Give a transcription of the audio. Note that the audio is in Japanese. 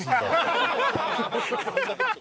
ハハハハ！